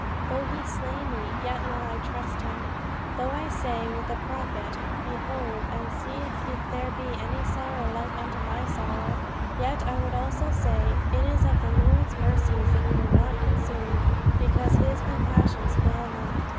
though he slay me yet will I trust in him!... Though I say with the Prophet, Behold and see if there be any sorrow like unto my sorrow, yet I would also say, It is of the Lord's mercies that we are not consumed because his compassions fail not.